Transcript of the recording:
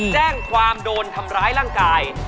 แจ้งความโดนทำร้ายร่างกาย